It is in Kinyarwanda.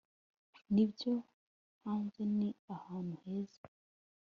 nibyo, hanze ni ahantu heza